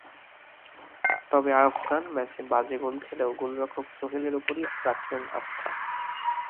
তবে আফগান ম্যাচে বাজে গোল খেলেও গোলরক্ষক সোহেলের ওপরই রাখলেন আস্থা।